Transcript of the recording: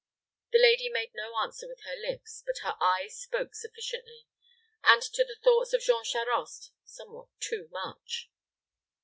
The lady made no answer with her lips; but her eyes spoke sufficiently, and to the thoughts of Jean Charost somewhat too much.